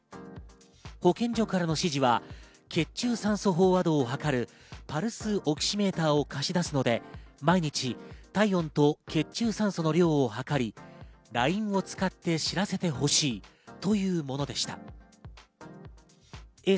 保健所からの指示は血中酸素飽和度を測るパルスオキシメーターを貸し出すので毎日体温と血中酸素の量を測り、ＬＩＮＥを使って知らせてほしいというものでした。